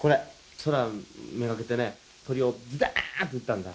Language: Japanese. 空をめがけてね鳥をズダーンと撃ったんだ」